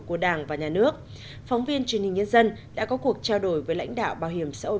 của đảng và nhà nước phóng viên truyền hình nhân dân đã có cuộc trao đổi với lãnh đạo bảo hiểm xã hội